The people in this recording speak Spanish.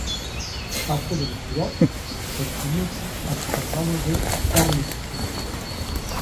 Parte de la ciudad pertenece al Condado de Darlington.